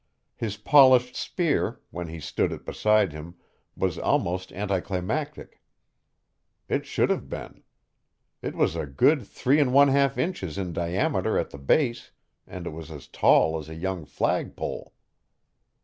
His polished spear, when he stood it beside him, was almost anticlimactic. It shouldn't have been. It was a good three and one half inches in diameter at the base, and it was as tall as a young flagpole.